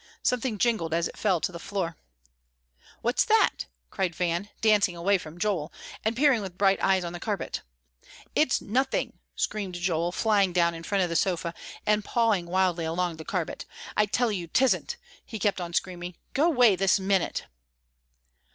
Something jingled as it fell to the floor. "What's that?" cried Van, dancing away from Joel, and peering with bright eyes on the carpet. "It's nothing," screamed Joel, flying down in front of the sofa, and pawing wildly along the carpet. "I tell you 'tisn't," he kept on screaming. "Go 'way this minute."